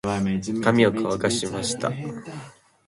髪を乾かしました。